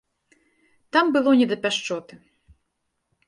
Там было не да пяшчоты.